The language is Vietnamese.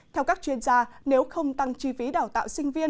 theo các chuyên gia nếu không tăng chi phí đào tạo sinh viên